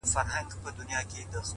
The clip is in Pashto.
لنډ ماځيگر انتظار! اوږده غرمه انتظار!